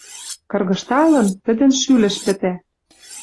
Кыргыжталын, тӹдӹн шӱлӹш пӹтӓ.